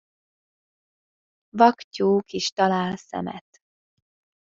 Vak tyúk is talál szemet.